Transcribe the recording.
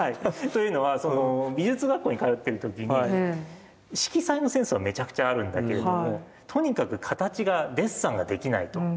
というのは美術学校に通ってる時に色彩のセンスはめちゃくちゃあるんだけれどもとにかく形がデッサンができないと。